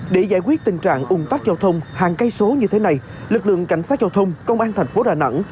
để giải quyết tình trạng ủng tắc giao thông hàng cây số như thế này lực lượng cảnh sát giao thông công an thành phố đà nẵng